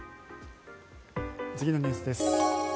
次のニュースです。